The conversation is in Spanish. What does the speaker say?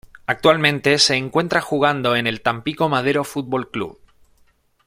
Actualmente se encuentra jugando en el Tampico Madero Fútbol Club.